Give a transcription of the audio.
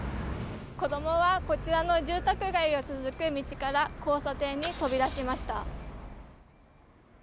子どもはこちらの住宅街を続く道から、交差点に飛び出しました。